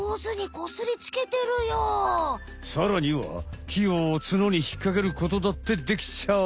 さらにはきを角にひっかけることだってできちゃう！